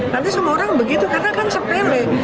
nanti semua orang begitu karena kan sepele